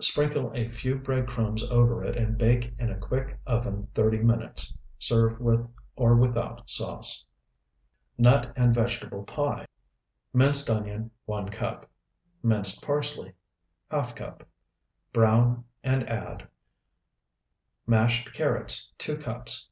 Sprinkle a few bread crumbs over it, and bake in a quick oven thirty minutes. Serve with or without sauce. NUT AND VEGETABLE PIE Minced onion, 1 cup. Minced parsley, ½ cup. Brown and add Mashed carrots, 2 cups.